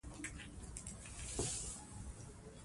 فلم په عمومي توګه د ثور انقلاب په پس منظر کښې